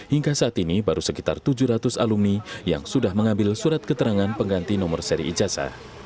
hingga saat ini baru sekitar tujuh ratus alumni yang sudah mengambil surat keterangan pengganti nomor seri ijasa